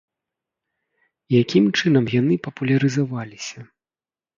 Якім чынам яны папулярызаваліся?